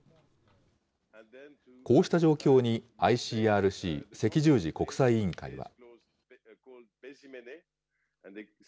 こうした状況に、ＩＣＲＣ・赤十字国際委員会は。